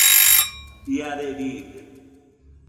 Iare riide